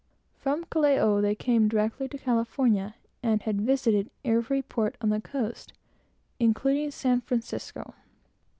From Callao they came directly to California, and had visited every port on the coast, including San Francisco.